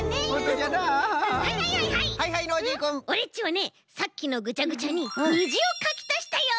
オレっちはねさっきのぐちゃぐちゃににじをかきたしたよ。